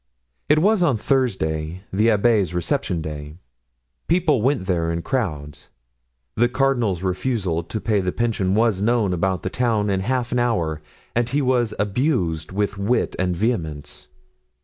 It was on Thursday, the abbé's reception day; people went there in crowds. The cardinal's refusal to pay the pension was known about the town in half an hour and he was abused with wit and vehemence.